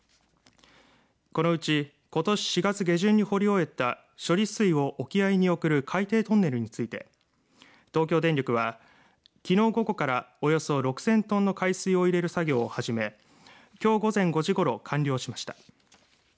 このうちことし４月下旬に掘り終えた処理水を沖合に送る海底トンネルについて東京電力はきのう午後からおよそ６０００トンの海水を入れる作業を始めきょう午前５時ごろ完了しました。